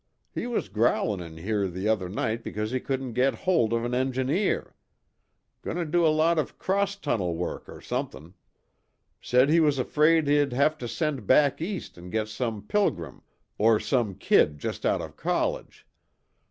He was growlin' in here the other night because he couldn't get holt of an engineer. Goin' to do a lot of cross tunnel work or somethin'. Said he was afraid he'd have to send back East an' get some pilgrim or some kid just out of college.